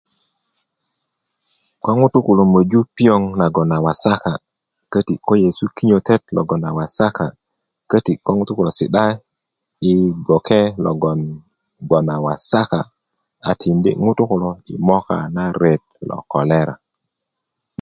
ko ŋutu kulo möju piyoŋ nagon wasaka köti ko yesu kinyotot logon a wasaka köti ko ŋutu kulo si'da i bgoke logon a wasaka a tindi ŋutu kulo i moka na ret lo kolera